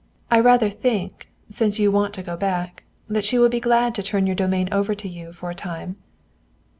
I rather think, since you want to go back, that she will be glad to turn your domain over to you for a time."